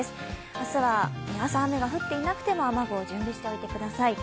明日は朝、雨が降ってなくても雨の準備をしておいてください。